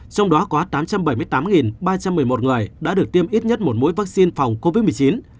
trong đó có tám trăm bảy mươi tám ba trăm một mươi một người đã được tiêm ít nhất một mũi vaccine phòng covid một mươi chín